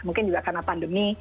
mungkin juga karena pandemi